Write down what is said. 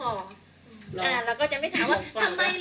แล้วเราก็จะไม่ถามว่าทำไมเหรอใครเหรอ